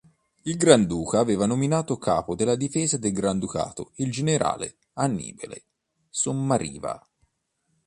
Il Granduca aveva nominato capo della difesa del Granducato il generale Annibale Sommariva.